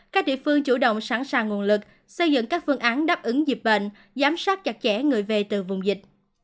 các địa phương chủ động sẵn sàng nguồn lực xây dựng các phương án đáp ứng dịp bệnh giám sát chặt chẽ người về từ vùng dịch